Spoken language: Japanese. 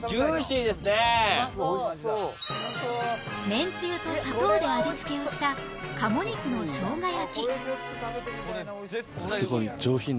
めんつゆと砂糖で味付けをした鴨肉のしょうが焼き